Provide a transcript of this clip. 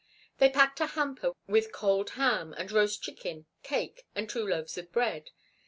They packed a hamper with cold ham and roast chicken, cake, and two loaves of bread.